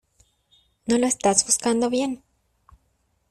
No lo estas buscando bien.